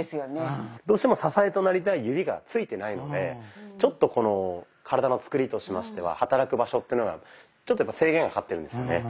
うん。どうしても支えとなりたい指が着いてないのでちょっとこの体のつくりとしましては働く場所っていうのがちょっとやっぱ制限がかかってるんですよね。